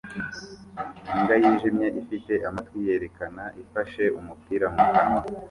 Imbwa yijimye ifite amatwi yerekana ifashe umupira mukanwa